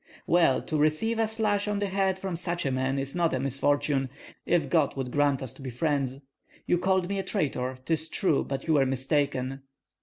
"Well, to receive a slash on the head from such a man is not a misfortune. If God would grant us to be friends! You called me a traitor, 'tis true, but you were mistaken."